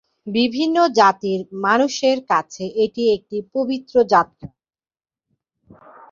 বিভিন্ন জাতির মানুষের কাছে এটি একটি পবিত্র যাত্রা।